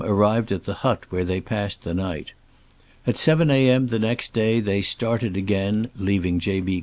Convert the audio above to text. arrived at the hut, where they passed the night. At 7 a. m the next day they stanl«d again (leaving J. B.